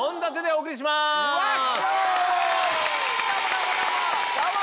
どうもどうもどうも！